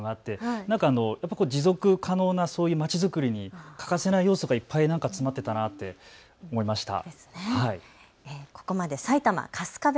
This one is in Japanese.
持続可能な、そういうまちづくりに欠かせない要素がいっぱい詰まっていたなと思いました。